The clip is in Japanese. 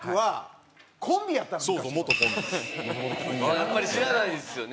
やっぱり知らないですよね。